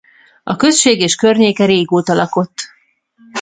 A község és környéke régóta lakott.